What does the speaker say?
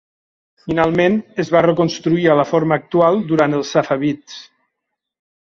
Finalment, es va reconstruir a la forma actual durant els safavids.